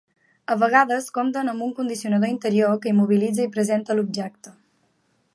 A vegades, compten amb un condicionador interior que immobilitza i presenta l'objecte.